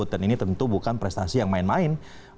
dan ini tentu bukan prestasi yang main main